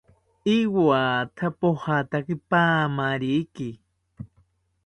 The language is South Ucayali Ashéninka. Iwatha pojataki paamariki